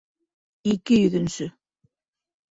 Ике йөҙөнсө